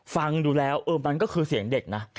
ฟังดูแล้วมันก็คือเสียงเด็กนะ